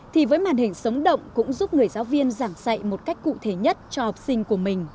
thì với màn hình sống động cũng giúp người giáo viên giảng dạy một cách cục